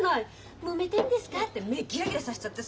「もめてんですか？」って目ギラギラさせちゃってさ。